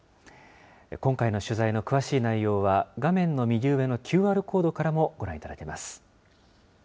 今回の取材の詳しい内容は、画面の右上のＱＲコードからもご覧いただけます。